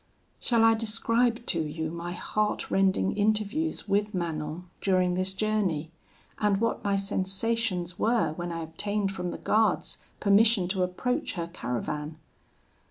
"Shall I describe to you my heart rending interviews with Manon during this journey, and what my sensations were when I obtained from the guards permission to approach her caravan?